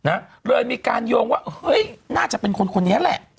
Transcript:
นะเลยมีการโยงว่าเฮ้ยน่าจะเป็นคนคนนี้แหละ